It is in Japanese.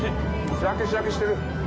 シャキシャキしてる！